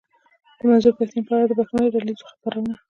د منظور پښتين په اړه د بهرنيو ډله ايزو خپرونو.